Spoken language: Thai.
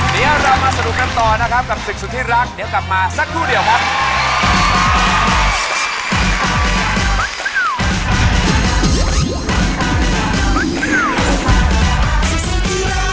เดี๋ยวเรามาสนุกกันต่อนะครับกับศึกสุดที่รักเดี๋ยวกลับมาสักครู่เดียวครับ